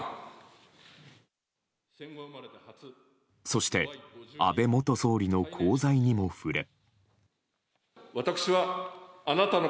そして、安倍元総理の功罪にも触れ。